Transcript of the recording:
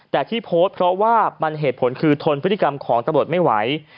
แต่ที่โพสต์เพราะว่ามันเหตุผลคือทนพฤติกรรมของตำรวจไม่ไหว